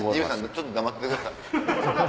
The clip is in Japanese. ちょっと黙っててください。